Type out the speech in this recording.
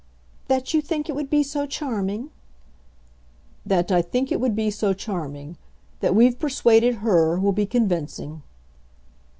"That you think it would be so charming?" "That I think it would be so charming. That we've persuaded HER will be convincing."